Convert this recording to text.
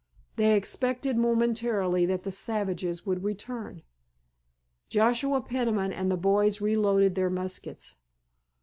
They expected momentarily that the savages would return. Joshua Peniman and the boys reloaded their muskets. Mr.